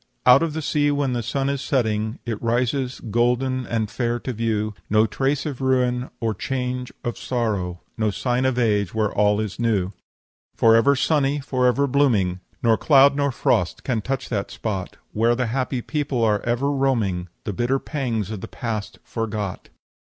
"'Out of the sea, when the sun is setting, It rises, golden and fair to view; No trace of ruin, or change of sorrow, No sign of age where all is new. "'Forever sunny, forever blooming, Nor cloud nor frost can touch that spot, Where the happy people are ever roaming, The bitter pangs of the past forgot.'